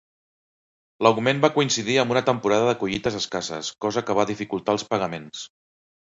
L'augment va coincidir amb una temporada de collites escasses, cosa que va dificultar els pagaments.